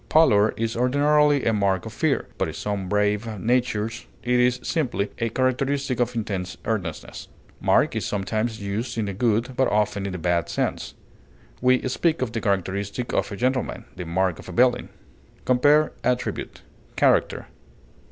Pallor is ordinarily a mark of fear; but in some brave natures it is simply a characteristic of intense earnestness. Mark is sometimes used in a good, but often in a bad sense; we speak of the characteristic of a gentleman, the mark of a villain. Compare ATTRIBUTE; CHARACTER.